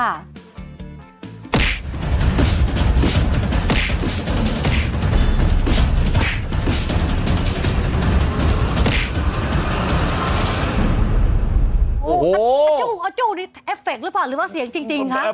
อัจจูอัจจูนี่เอฟเฟคหรือเปล่าหรือว่าเสียงจริงค่ะ